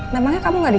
namanya kamu gak dikutip